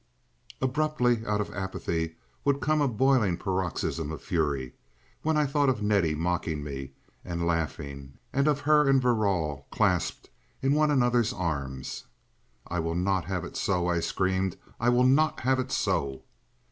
Abruptly out of apathy would come a boiling paroxysm of fury, when I thought of Nettie mocking me and laughing, and of her and Verrall clasped in one another's arms. "I will not have it so!" I screamed. "I will not have it so!"